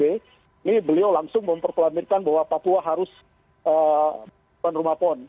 ini beliau langsung memperkelamirkan bahwa papua harus tuan rumah pon